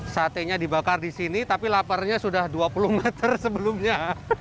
satenya dibakar di sini tapi laparnya sudah dua puluh meter sebelumnya